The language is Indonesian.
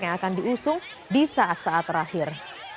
yang akan diusung di saat saat terakhir